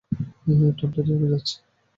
ঠাণ্ডায় জমে যাচ্ছি।